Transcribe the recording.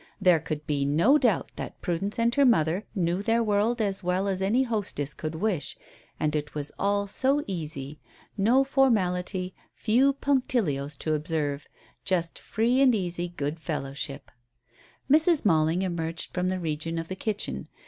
There could be no doubt that Prudence and her mother knew their world as well as any hostess could wish. And it was all so easy; no formality, few punctilios to observe just free and easy good fellowship. Mrs. Malling emerged from the region of the kitchen.